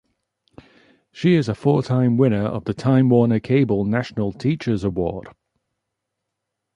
She is a four-time winner of the Time Warner Cable National Teachers Award.